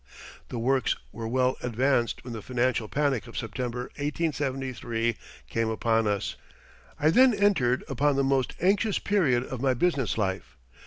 The works were well advanced when the financial panic of September, 1873, came upon us. I then entered upon the most anxious period of my business life.